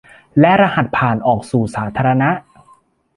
และรหัสผ่านออกสู่สาธารณะ